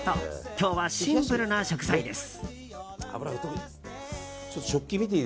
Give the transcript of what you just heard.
今日はシンプルな食材です。